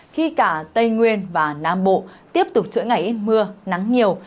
khi cả tây nguyên và nam bộ tiếp tục chữa ngày mưa nắng nhiều